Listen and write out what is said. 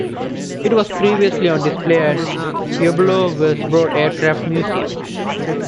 It was previously on display at the Pueblo Weisbrod Aircraft Museum.